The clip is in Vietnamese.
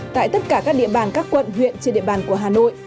tại tất cả các địa bàn các quận huyện trên địa bàn của hà nội